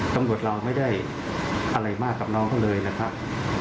ตำรวจเราไม่ได้อะไรมากกับน้องเขาเลยนะครับ